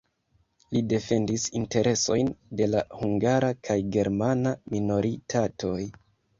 Li defendis interesojn de la hungara kaj germana minoritatoj.